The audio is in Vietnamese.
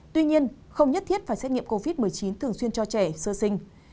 tuy nhiên không nhất thiết phải xét nghiệm covid một mươi chín thường xuyên cho trẻ sơ sinh